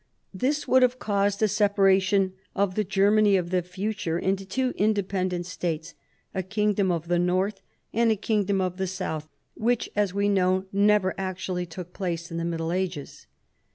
This would have caused a separation of the Germany of the future into two independent states, a kingdom of the North and a kingdom of the South, which, as we know, never actually took place in the Middle Ages.